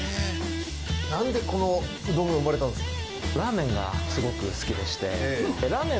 何でこのうどんが生まれたんですか？